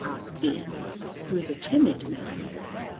asked B , who is a timid man.